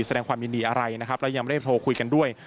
แสดงความยินดีอะไรนะครับแล้วยังไม่ได้โทรคุยกันด้วย